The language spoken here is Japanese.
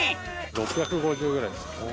６５０ぐらいですかね。